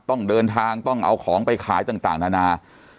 ต้องเดินทางต้องเอาของไปขายต่างนานา